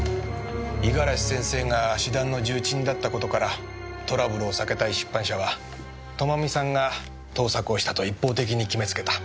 五十嵐先生が詩壇の重鎮だったことからトラブルを避けたい出版社は朋美さんが盗作をしたと一方的に決めつけた。